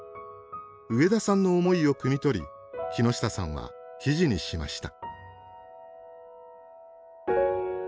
上田さんの思いをくみ取り木下さんは記事にしました。